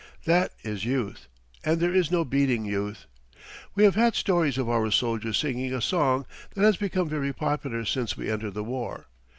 That is youth; and there is no beating youth. We have had stories of our soldiers singing a song that has become very popular since we entered the war.